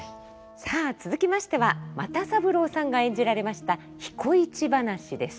さあ続きましては又三郎さんが演じられました「彦市ばなし」です。